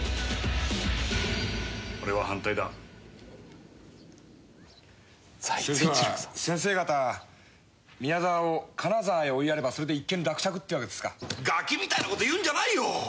俺は反対だそれでは先生方宮沢を金沢へ追いやればそれで一件落着ってわけですかガキみたいなこと言うんじゃないよ